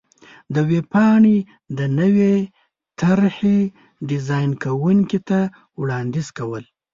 -د ویبپاڼې د نوې طر حې ډېزان کوونکي ته وړاندیز کو ل